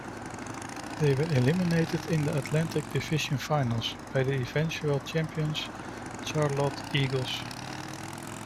They were eliminated in the Atlantic Division Finals by the eventual champions, Charlotte Eagles.